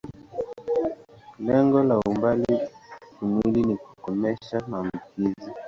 Lengo la umbali kimwili ni kukomesha maambukizo.